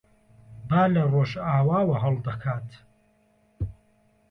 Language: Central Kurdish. با لە ڕۆژاواوە هەڵدەکات.